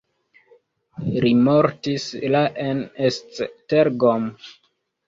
Li mortis la en Esztergom.